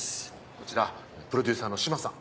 こちらプロデューサーの島さん。